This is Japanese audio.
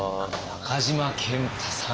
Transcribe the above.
中島健太さん。